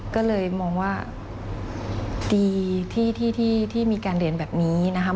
ก็เลยมองว่าดีที่มีการเรียนแบบนี้นะคะ